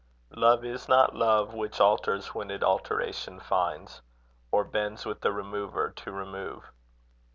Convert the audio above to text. Love is not love Which alters when it alteration finds, Or bends with the remover to remove.